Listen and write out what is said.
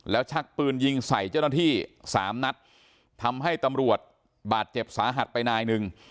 แล้วชักปืนยิงใส่เจ้าหน้าที่สามนัดทำให้ตำรวจบาดเจ็บสาหัสไปนายหนึ่ง